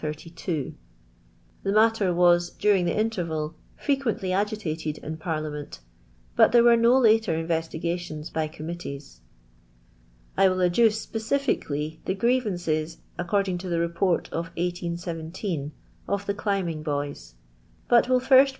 I The matter was during the interval frequently ! agitated in Parliament, but there were no later invcitigations by Committees. j I will adduce, specifically, the grievances, ac cording to the Report of 1817, of the climbing boys; but will first pre.